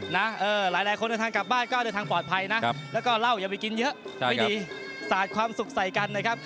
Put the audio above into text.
หลายคนเดินทางกลับบ้านก็เดินทางปลอดภัยนะแล้วก็เหล้าอย่าไปกินเยอะไม่ดีสาดความสุขใส่กันนะครับ